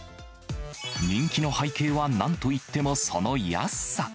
人気の背景は、なんといってもその安さ。